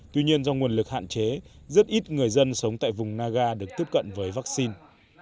tuy nhiên do nguồn lực hạn chế rất ít người dân sống tại vùng naga được tiếp cận với vaccine